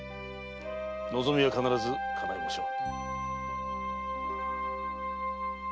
望みは必ずかなうでしょう。